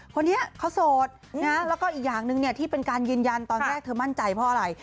คนนี้เขาโสดแล้วก็อีกอย่างหนึ่งที่เป็นการยืนยันตอนแรกเธอมั่นใจเพราะอะไร